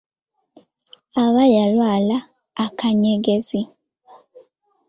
Aba yalwala akanyegezi.